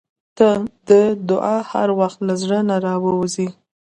• ته د دعا هر وخت له زړه نه راووځې.